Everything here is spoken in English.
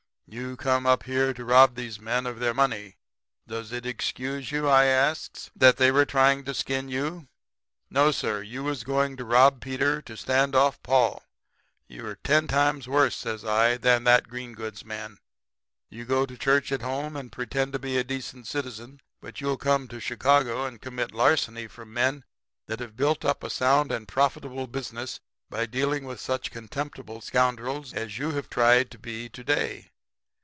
You come up here to rob these men of their money. Does it excuse you?' I asks, 'that they were trying to skin you? No, sir; you was going to rob Peter to stand off Paul. You are ten times worse,' says I, 'than that green goods man. You go to church at home and pretend to be a decent citizen, but you'll come to Chicago and commit larceny from men that have built up a sound and profitable business by dealing with such contemptible scoundrels as you have tried to be to day.